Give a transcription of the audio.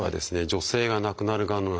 女性が亡くなるがんの